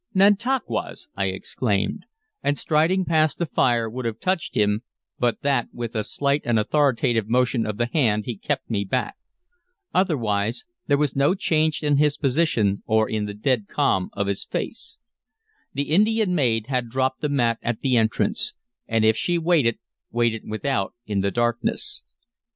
"Nantauquas!" I exclaimed, and striding past the fire would have touched him but that with a slight and authoritative motion of the hand he kept me back. Otherwise there was no change in his position or in the dead calm of his face. The Indian maid had dropped the mat at the entrance, and if she waited, waited without in the darkness.